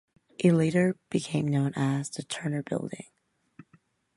It later became known as the Turner Building.